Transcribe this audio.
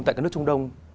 tại cái nước trung đông